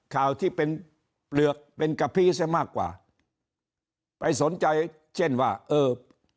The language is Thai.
ข่าวที่เป็นเปลือกเป็นกะพีซะมากกว่าไปสนใจเช่นว่าเออ